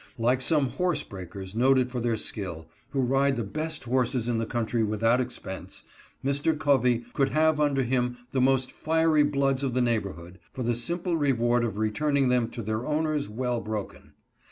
Like some horse breakers noted for their skill, who ride the best horses in the country without expense, Mr. Covey could have under him the most fiery bloods of the neighborhood, for the simple reward of returning them to their owners well broken.